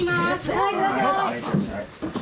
はいいってらっしゃい。